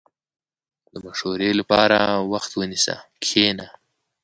• د مشورې لپاره وخت ونیسه، کښېنه.